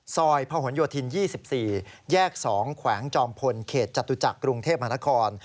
พะหนโยธิน๒๔แยก๒แขวงจอมพลเขตจตุจักรกรุงเทพมหานคร